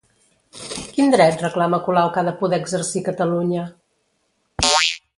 Quin dret reclama Colau que ha de poder exercir Catalunya?